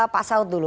pak saud dulu